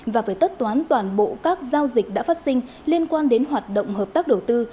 và phải tất toán toàn bộ các giao dịch đã phát sinh liên quan đến hoạt động hợp tác đầu tư